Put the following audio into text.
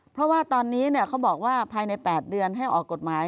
เพราะว่าตอนนี้เขาบอกว่าภายใน๘เดือนให้ออกกฎหมาย